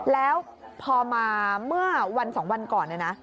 แล้วพอมาเมื่อวัน๒วันก่อนเนี่ยนะ